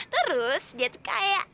terus dia tuh kaya